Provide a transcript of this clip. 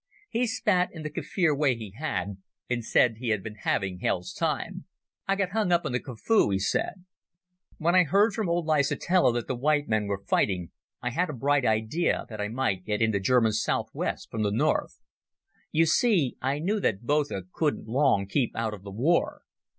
He spat, in the Kaffir way he had, and said he had been having hell's time. "I got hung up on the Kafue," he said. "When I heard from old Letsitela that the white men were fighting I had a bright idea that I might get into German South West from the north. You see I knew that Botha couldn't long keep out of the war.